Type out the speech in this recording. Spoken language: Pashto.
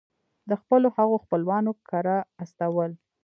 د خپلو هغو خپلوانو کره استول.